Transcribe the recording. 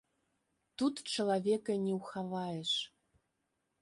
Тут чалавека не ўхаваеш.